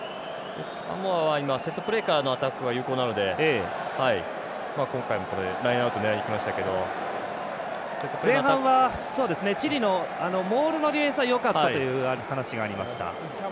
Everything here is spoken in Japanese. サモアは、セットプレーからのアタックが有効なので今回もラインアウトに前半はチリのモールのディフェンスはよかったという話がありました。